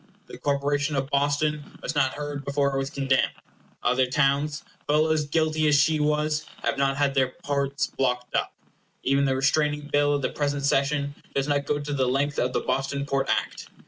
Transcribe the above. The corporation of Boston was not heard before it was condemned. Other towns, full as guilty as she was, have not had their ports blocked up. Even the Restraining Bill of the present session does not go to the length of the Boston Port Act.